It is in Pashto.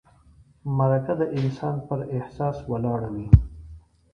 مرکه د انسان پر احساس ولاړه وي.